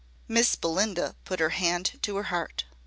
Miss Belinda put her hand to her heart.